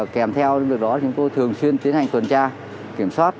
kèm theo việc đó chúng tôi thường xuyên tiến hành tuần tra kiểm soát